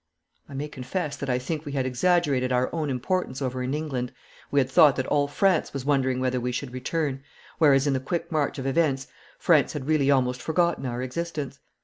I may confess that I think we had exaggerated our own importance over in England. We had thought that all France was wondering whether we should return, whereas in the quick march of events France had really almost forgotten our existence.